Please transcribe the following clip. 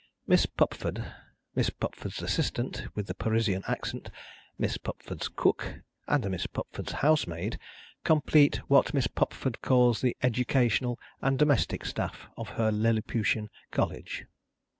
Miss Pupford, Miss Pupford's assistant with the Parisian accent, Miss Pupford's cook, and Miss Pupford's housemaid, complete what Miss Pupford calls the educational and domestic staff of her Lilliputian College.